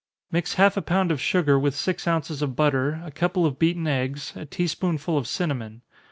_ Mix half a pound of sugar with six ounces of butter, a couple of beaten eggs, a tea spoonful of cinnamon.